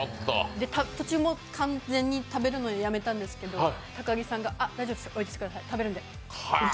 途中、完全に食べるのやめたんですけど、高城さんがあ、大丈夫です、置いといてください、食べるのでって。